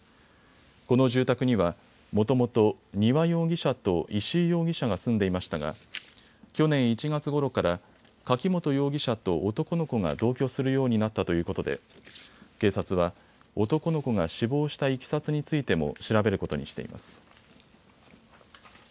この住宅にはもともと丹羽容疑者と石井容疑者が住んでいましたが去年１月ごろから柿本容疑者と男の子が同居するようになったということで警察は男の子が死亡したいきさつについても調べることにしています。